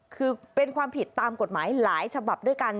คือเป็นความผิดตามกฎหมายหลายฉบับด้วยกัน